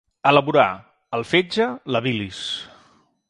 Elaborar, el fetge, la bilis.